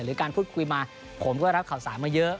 การพูดคุยมาผมก็รับข่าวสารมาเยอะ